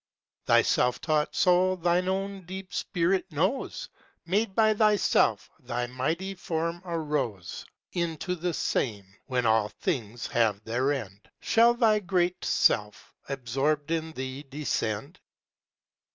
Thy self taught soul thine own deep spirit knows; Made by thyself thy mighty form arose; Into the same, when all things have their end, Shall thy great self, absorbed in Thee, descend.